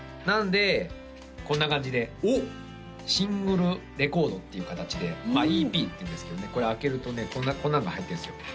なんでこんな感じでシングルレコードっていう形でＥＰっていうんですけどねこれ開けるとねこんなんが入ってるんですよ